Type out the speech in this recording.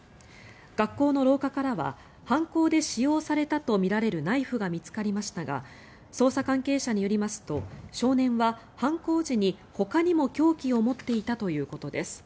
学校の廊下からは犯行で使用されたとみられるナイフが見つかりましたが捜査関係者によりますと少年は犯行時に、ほかにも凶器を持っていたということです。